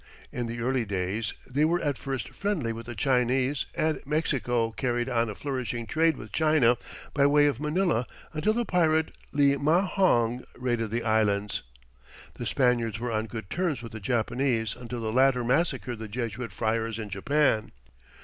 In the early days, they were at first friendly with the Chinese, and Mexico carried on a flourishing trade with China by way of Manila until the pirate Li Ma Hong raided the Islands. The Spaniards were on good terms with the Japanese until the latter massacred the Jesuit friars in Japan.